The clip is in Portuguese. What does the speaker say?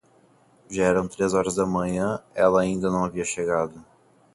Já eram três horas da manhã, ela ainda não havia chegado.